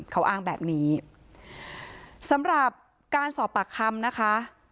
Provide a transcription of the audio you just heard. เขาอ้างแบบนี้สำหรับการสอบปากคำนะคะ